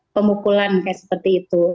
pemukulan kayak seperti itu